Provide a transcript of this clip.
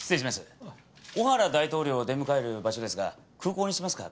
オハラ大統領を出迎える場所ですが空港にしますか？